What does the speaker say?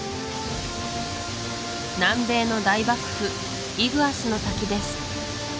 南米の大瀑布イグアスの滝です